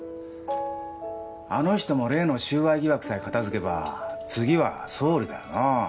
あの人も例の収賄疑惑さえ片づけば次は総理だよなぁ。